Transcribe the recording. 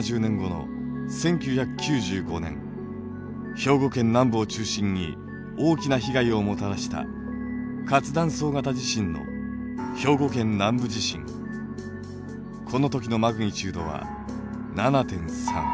兵庫県南部を中心に大きな被害をもたらした活断層型地震のこの時のマグニチュードは７．３。